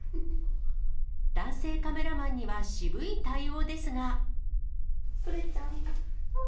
男性カメラマンには渋い対応